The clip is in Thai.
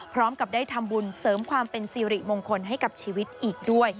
พร้อมกับได้ทำบุญเสริมความเป็นสิริมงคลให้กับชีวิตอีกด้วย